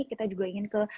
kita juga ingin ke